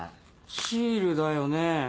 シールだよね？